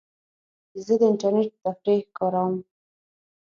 زه د انټرنیټ تفریح کاروم.